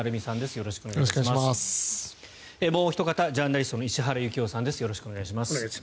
よろしくお願いします。